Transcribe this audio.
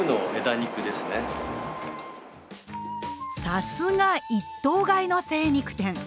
さすが一頭買いの精肉店！